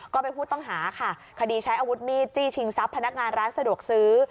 ก็เป็นผู้ต้องหาค่ะคดีใช้อาวุธมีดจี้ชิงทรัพย์พนักงานร้านสะดวกซื้อ